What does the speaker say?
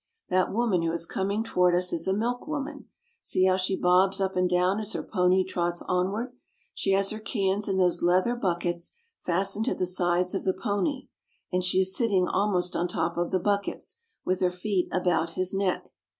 That woman who is coming to ward us is a milkwoman. See how she bobs up and down as her pony trots onward. She has her cans in those leather buckets fast ened to the sides of the pony, and she is sitting almost on top of the buckets, with her feet about his neck.